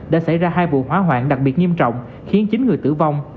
đã xảy ra hai vụ hỏa hoạn đặc biệt nghiêm trọng khiến chín người tử vong